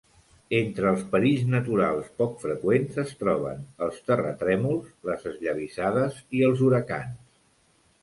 Entre els perills naturals poc freqüents es troben els terratrèmols, les esllavissades i els huracans.